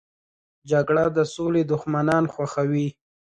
جګړه د سولې دښمنان خوښوي